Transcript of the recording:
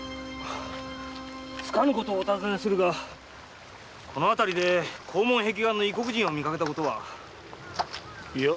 つかぬことをお尋ねするがこの辺りで紅毛碧眼の異国人を見かけたことは？いや。